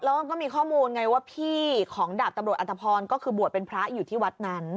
แล้วมันก็มีข้อมูลไงว่าพี่ของดาบตำรวจอัตภพรก็คือบวชเป็นพระอยู่ที่วัดนั้น